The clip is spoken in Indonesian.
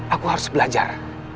aku harus belajar